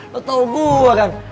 lo tau gue kan